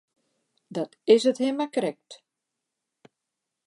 Dat is it him mar krekt.